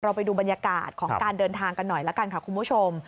ไปดูบรรยากาศของการเดินทางกันหน่อยละกันค่ะคุณผู้ชม